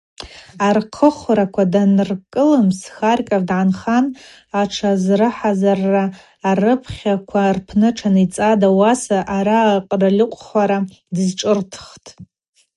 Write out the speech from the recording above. Архъвыхраква даныркӏылымс Харьков дгӏанхан атшазрыхӏазырра арыпхьараква рпны тшаницӏатӏ, ауаса арра къвырльыкъвхара дызшӏырттӏ.